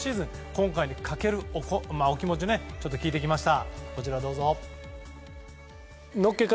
今回にかけるお気持ち聞いてきました。